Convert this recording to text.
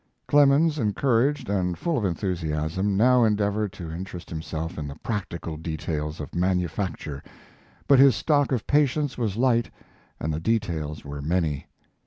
Clemens, encouraged and full of enthusiasm, now endeavored to interest himself in the practical details of manufacture, but his stock of patience was light and the details were many.